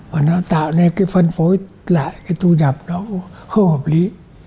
và nó tạo nên cái phân phối lại cái thu nhập nó không hợp lý